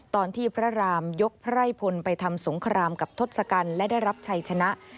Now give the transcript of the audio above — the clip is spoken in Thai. ตอนที่พระรามยกไพร่พลไปทำสงครามกับทศกัณฐ์และได้รับชัยชนะ